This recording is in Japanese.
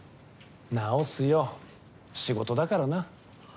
直すよ仕事だからな。